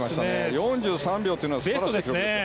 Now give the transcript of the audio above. ４３秒というのは素晴らしい記録ですよ。